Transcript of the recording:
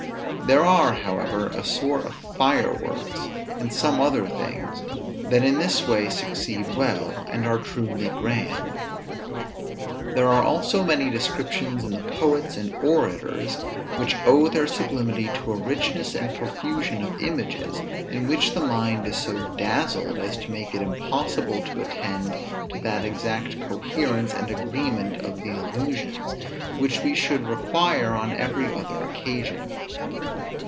There are, however, a sort of fireworks, and some other things, that in this way succeed well, and are truly grand. There are also many descriptions in the poets and orators, which owe their sublimity to a richness and profusion of images, in which the mind is so dazzled as to make it impossible to attend to that exact coherence and agreement of the allusions, which we should require on every other occasion.